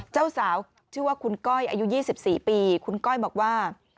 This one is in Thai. เจ้าสาวชื่อว่าคุณก้อยอายุ๒๔ปีคุณก้อยบอกว่า